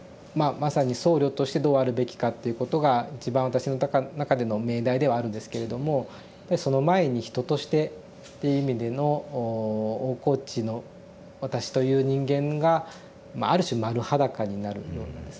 まさに「僧侶としてどうあるべきか」っていうことが一番私の中での命題ではあるんですけれどもその前に人としてって意味での大河内の私という人間がある種丸裸になるようなですね